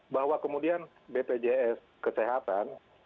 bahwa kemudian bpjs kesehatan